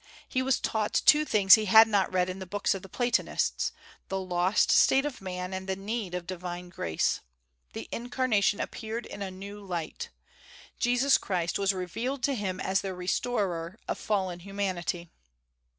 He was taught two things he had not read in the books of the Platonists, the lost state of man, and the need of divine grace. The Incarnation appeared in a new light. Jesus Christ was revealed to him as the restorer of fallen humanity.